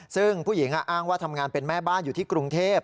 ซึ่งผู้หญิงอ้างว่าทำงานเป็นแม่บ้านอยู่ที่กรุงเทพ